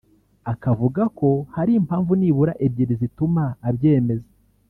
akavuga ko hari impamvu nibura ebyiri zituma abyemeza